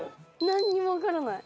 何にも分からない